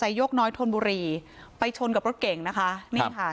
แต่ยกน้อยธนบุรีไปชนกับรถเก่งนะคะนี่ค่ะ